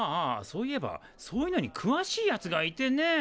そういえばそういうのにくわしいやつがいてね。